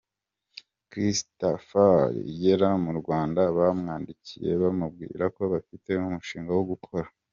Christafari igera mu Rwanda bamwandikiye bamubwira bafite umushinga wo gukora